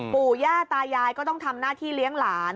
ปู่ย่าตายายก็ต้องทำหน้าที่เลี้ยงหลาน